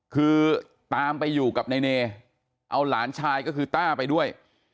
คือตามไปอยู่กับนายเนเอาหลานชายก็คือต้าไปด้วย